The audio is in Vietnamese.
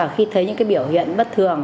khi thấy những biểu hiện bất thường